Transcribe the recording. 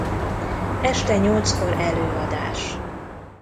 Este nyolckor előadás.